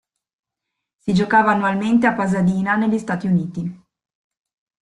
Si giocava annualmente a Pasadena negli Stati Uniti.